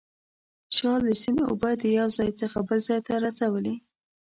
شال د سیند اوبه د یو ځای څخه بل ځای ته رسولې.